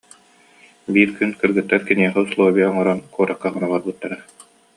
Биир күн кыргыттар киниэхэ усулуо- буйа оҥорон куоракка хоно барбыттара